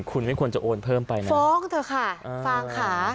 คุณไม่ควรจะโอนเพิ่มไปนะฟ้องเถอะค่ะฟางค่ะ